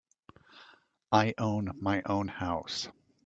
I own my own house.